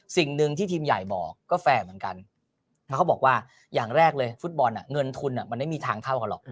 สิ่งหนึ่งที่ทีมใหญ่บอกก็แฟร์เหมือนกันแล้วเขาบอกว่าอย่างแรกเลยฟุตบอลเงินทุนมันไม่มีทางเท่ากันหรอก